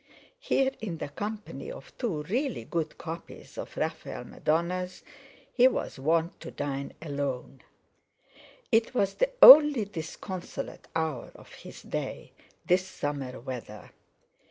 Here in the company of two really good copies of Raphael Madonnas he was wont to dine alone. It was the only disconsolate hour of his day, this summer weather.